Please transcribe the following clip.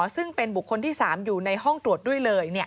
ซึ่งเป็นบุคคลที่๓อยู่ในห้องตรวจด้วยเลย